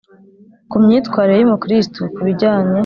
ku myitwarire y’umukristu ku bijyanye